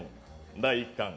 第１巻